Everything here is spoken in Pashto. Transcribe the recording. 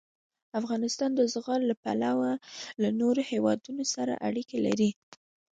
افغانستان د زغال له پلوه له نورو هېوادونو سره اړیکې لري.